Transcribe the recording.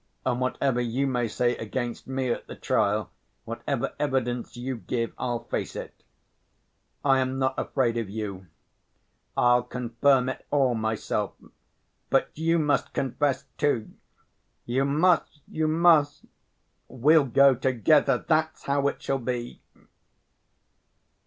And whatever you may say against me at the trial, whatever evidence you give, I'll face it; I am not afraid of you. I'll confirm it all myself! But you must confess, too! You must, you must; we'll go together. That's how it shall be!"